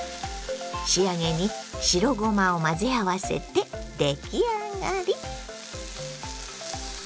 仕上げに白ごまを混ぜ合わせて出来上がり。